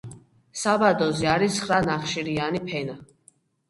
საბადოზე არის ცხრა ნახშირიანი ფენა.